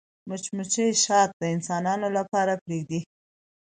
مچمچۍ شات د انسانانو لپاره پرېږدي